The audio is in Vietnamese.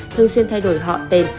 thường xuyên thay đổi họ tên